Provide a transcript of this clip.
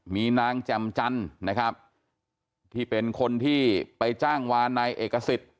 มีนางจำจันที่เป็นคนที่ไปจ้างวาลัยเอกสิทธ์